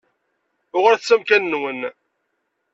Uɣalet s amkan-nwen.